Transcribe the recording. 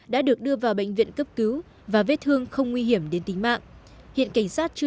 đã được đưa vào bệnh viện cấp cứu và vết thương không nguy hiểm đến tính mạng hiện cảnh sát chưa